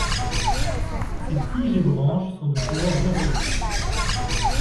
Ses tiges et branches sont de couleur vert olive.